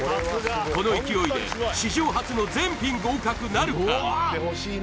この勢いで史上初の全品合格なるか？